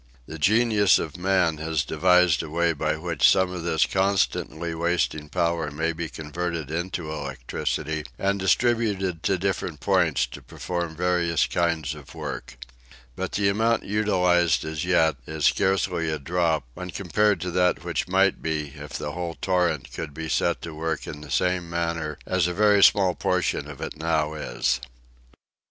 The genius of man has devised a way by which some of this constantly wasting energy may be converted into electricity and distributed to different points to perform various kinds of work. But the amount utilized as yet is scarcely a drop when compared with that which might be if the whole torrent could be set to work in the same manner as a very small portion of it now is.